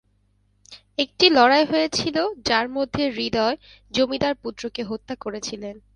একটি লড়াই হয়েছিল যার মধ্যে হ্রদয় জমিদার পুত্রকে হত্যা করেছিলেন।